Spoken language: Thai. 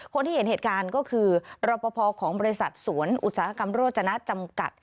คนที่เห็นเหตุการณ์ก็คือรอปภของบริษัทสวนอุตสาหกรรมโรจนะจำกัด